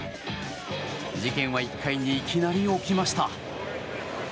事件は１回にいきなり起きました。